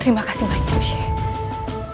terima kasih banyak sheikh